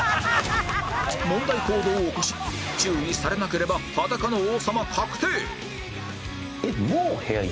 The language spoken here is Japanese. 問題行動を起こし注意されなければ裸の王様確定！